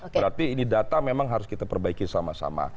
berarti ini data memang harus kita perbaiki sama sama